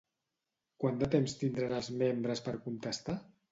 Quant de temps tindran els membres per contestar?